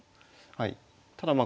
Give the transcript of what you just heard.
ただまあ